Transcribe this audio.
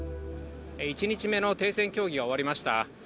１日目の停戦協議が終わりました。